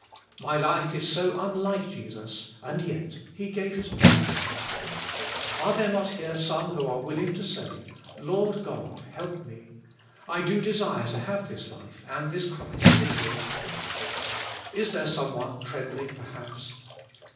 My life is so unlike Jesus, and yet, He gave His blood for it. Are there not here some who are willing to say. Lord God, help me, I do de sire to have this life and this Christ in me. Is there someone trembling, perhaps?